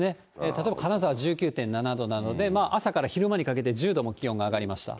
例えば金沢１９．７度なので、朝から昼間にかけて１０度も気温が上がりました。